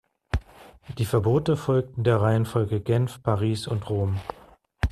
Die Verbote folgten der Reihenfolge Genf, Paris und Rom.